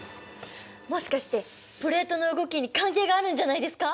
もしかしてプレートの動きに関係があるんじゃないですか？